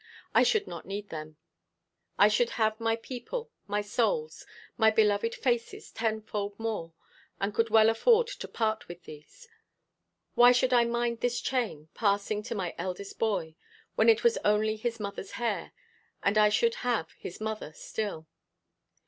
I should not need them. I should have my people, my souls, my beloved faces tenfold more, and could well afford to part with these. Why should I mind this chain passing to my eldest boy, when it was only his mother's hair, and I should have his mother still?